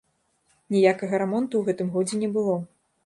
Ніякага рамонту ў гэтым годзе не было.